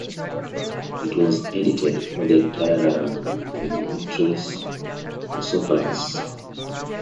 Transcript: It was edited, over the entire run, by Dimitrios Roussopoulos.